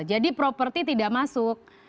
jadi properti tidak masuk